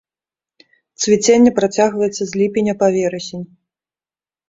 Цвіценне працягваецца з ліпеня па верасень.